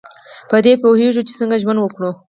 په دې پوهیږو چې څنګه ژوند وکړو.